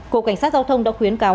cục cảnh sát giao thông đã khuyến cáo